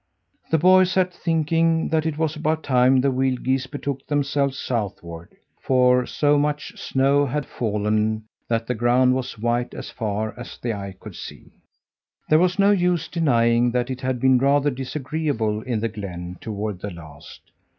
The boy sat thinking that it was about time the wild geese betook themselves southward, for so much snow had fallen that the ground was white as far as the eye could see. There was no use denying that it had been rather disagreeable in the glen toward the last.